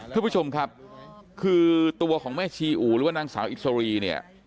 ทุกผู้ชมครับคือตัวของแม่ชีอู๋หรือว่านางสาวอิสรีเนี่ย